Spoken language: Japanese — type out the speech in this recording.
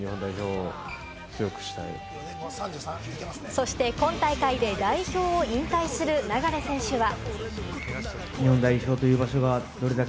そして今大会で代表を引退する流選手は。